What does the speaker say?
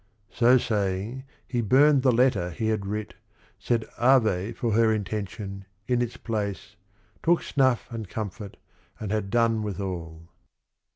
* So saying he burnt the letter he had writ, Said Ave for her intention, in its place, Took snuff and comfort, and had done with all."